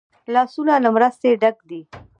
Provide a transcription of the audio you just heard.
لاسونه له مرستې ډک دي